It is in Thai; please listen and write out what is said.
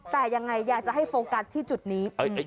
แต่ยังไงอยากจะให้โฟกัสที่จุดนี้